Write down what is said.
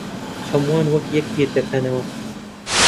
ھەمووان وەک یەک بیردەکەنەوە.